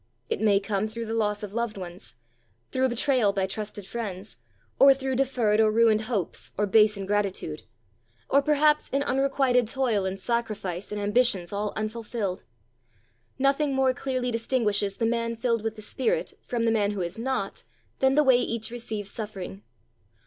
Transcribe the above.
It may come through the loss of loved ones, through betrayal by trusted friends; or through deferred or ruined hopes, or base ingratitude; or perhaps in unrequited toil and sacrifice and ambitions all unfulfilled. Nothing more clearly distinguishes the man filled with the Spirit from the man who is not than the way each receives suffering.